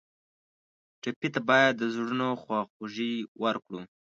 ټپي ته باید د زړونو خواخوږي ورکړو.